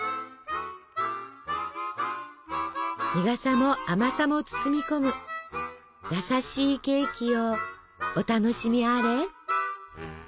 苦さも甘さも包み込む優しいケーキをお楽しみあれ。